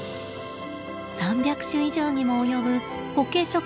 ３００種以上にも及ぶコケ植物。